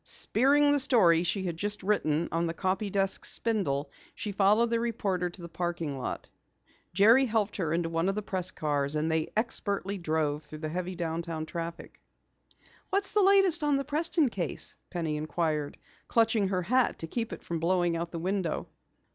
Spearing the story she had just written on the copy desk spindle, she followed the reporter to the parking lot. Jerry helped her into one of the press cars, and they expertly drove through heavy downtown traffic. "What's the latest on the Preston case?" Penny inquired, clutching her hat to keep it from blowing out the window.